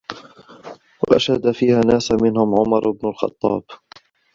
وَأَشْهَدَ فِيهِ نَاسًا مِنْهُمْ عُمَرُ بْنُ الْخَطَّابِ